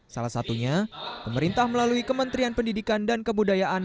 salah satunya pemerintah melalui kementerian pendidikan dan kebudayaan